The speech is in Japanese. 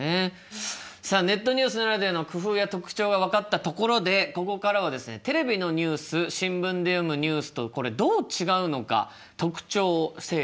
さあネットニュースならではの工夫や特徴が分かったところでここからはですねテレビのニュース新聞で読むニュースとこれどう違うのか特徴を整理してみたいと思います。